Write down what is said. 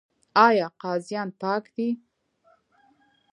آیا قاضیان پاک دي؟